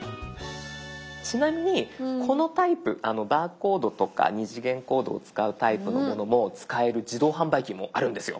ちなみにこのタイプバーコードとか二次元コードを使うタイプのものも使える自動販売機もあるんですよ。